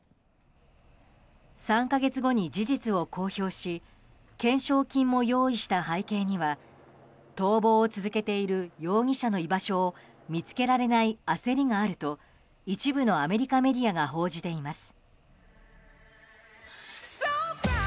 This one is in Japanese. ３か月後に事実を公表し懸賞金も用意した背景には逃亡を続けている容疑者の居場所を見つけられない焦りがあると一部のアメリカメディアが報じています。